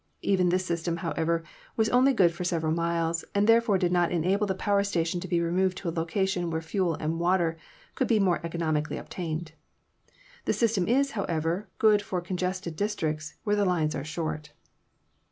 Even this system, how ever, was only good for several miles, and therefore did not enable the power station to be removed to a location where fuel and water could be more economically obtained. The system is, however, good for congested districts where the lines are short.